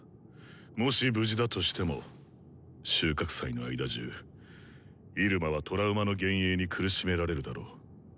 もし無事だとしても収穫祭の間じゅうイルマはトラウマの幻影に苦しめられるだろう。